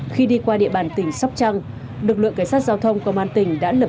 khi đi qua địa bàn tỉnh sóc trăng lực lượng cảnh sát giao thông công an tỉnh